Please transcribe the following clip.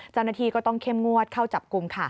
จำนาทีก็ต้องเข้มงวดเข้าจับกลุ่ม